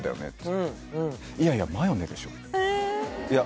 いやいやマヨネでしょええいや